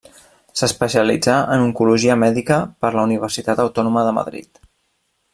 S'especialitzà en oncologia mèdica per la Universitat Autònoma de Madrid.